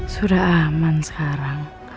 sudah aman sekarang